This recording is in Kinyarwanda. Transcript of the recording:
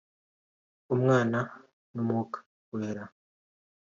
umwana n’Umwuka Wera